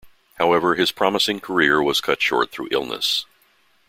However, his promising career was cut short through illness.